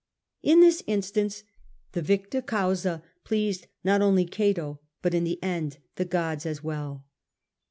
In this instance the victa causa pleased not only Cato, but in the end the gods as well.